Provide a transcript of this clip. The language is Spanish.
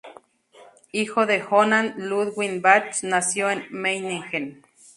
Hijo de Johann Ludwig Bach, nació en Meiningen.